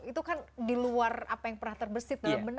itu kan di luar apa yang pernah terbesit dalam